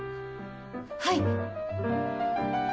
はい。